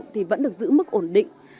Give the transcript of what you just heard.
thì vẫn được giữ mức ổn định